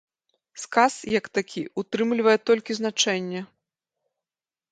Сказ, як такі ўтрымлівае толькі значэнне.